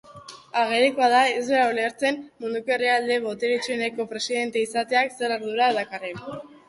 Agerikoa da ez duela ulertzen munduko herrialde boteretsueneko presidente izateak zer adura dakarren.